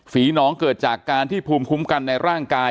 น้องเกิดจากการที่ภูมิคุ้มกันในร่างกาย